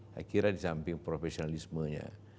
saya kira di samping profesionalismenya